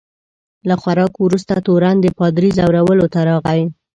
له خوراک وروسته تورن د پادري ځورولو ته راغی.